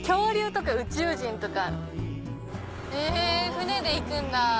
船で行くんだ。